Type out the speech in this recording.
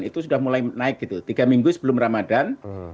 itu sudah mulai naik gitu tiga minggu sebelum ramadan